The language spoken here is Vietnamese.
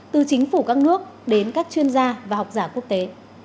từ chính phủ các nước đến các chuyên gia và học giả quốc tế